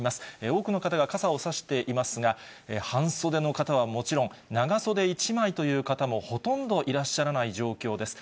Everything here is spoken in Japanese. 多くの方が傘を差していますが、半袖の方はもちろん、長袖１枚という方もほとんどいらっしゃらない状況です。